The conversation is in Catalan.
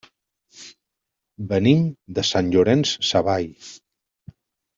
Venim de Sant Llorenç Savall.